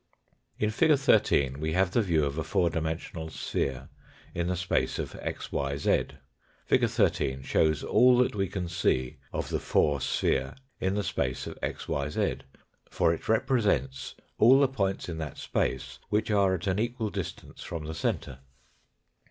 In fig. 13 we have the view of a four dimensional sphere in the space of xyz. Fig. 13 shows all that we can see of the four sphere in the space of xyz, for it represents all the points in that space, which are at an equal distance from the centre.